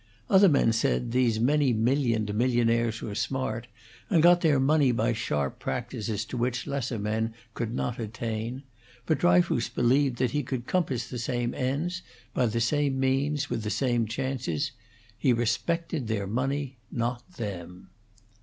Other men said these many millioned millionaires were smart, and got their money by sharp practices to which lesser men could not attain; but Dryfoos believed that he could compass the same ends, by the same means, with the same chances; he respected their money, not them.